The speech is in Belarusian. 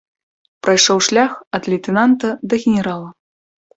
Прайшоў шлях ад лейтэнанта да генерала.